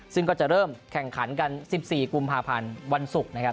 ซึ่งก็จะเริ่มแข่งขันกัน๑๔กุมภาพันธ์วันศุกร์นะครับ